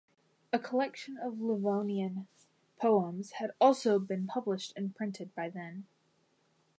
A collection of Livonian poems had also been published and printed by then.